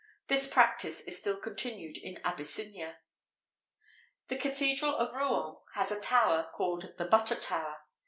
This practice is still continued in Abyssinia.[XVIII 36] The cathedral of Rouen has a tower, called the "Butter Tower."